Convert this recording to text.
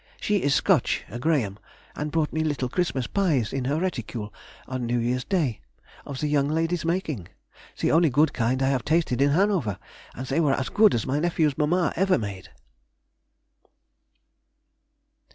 She is Scotch (a Graham), and brought me little Christmas pies in her reticule on New year's Day, of the young lady's making—the only good kind I have tasted in Hanover, and they were as good as my nephew's mamma ever made. [Sidenote: 1840. _Her Seven foot Telescope.